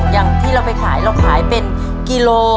อย่างที่เราไปขายเราขายเป็นกิโล